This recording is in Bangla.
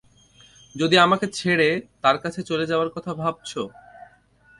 যদি আমাকে ছেড়ে, তার কাছে চলে যাবার কথা ভাবছো?